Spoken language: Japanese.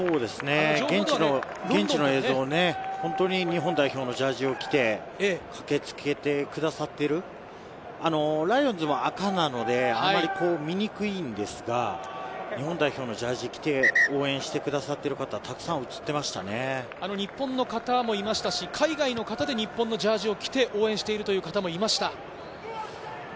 現地の映像を本当に日本代表のジャージーを着て、駆けつけてくださっているライオンズは赤なので見にくいんですが、日本代表のジャージーを着て応援してくださっている方、たくさん日本の方もいましたし、海外の方で日本のジャージーを着て応援しているという方もいまし